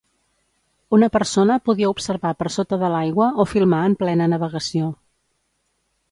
Una persona podia observar per sota de l'aigua o filmar en plena navegació.